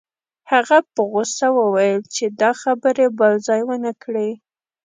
هغه په غوسه وویل چې دا خبرې بل ځای ونه کړې